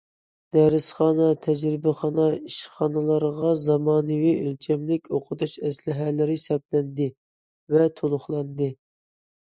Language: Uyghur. دەرسخانا، تەجرىبىخانا، ئىشخانىلارغا زامانىۋى ئۆلچەملىك ئوقۇتۇش ئەسلىھەلىرى سەپلەندى ۋە تولۇقلاندى.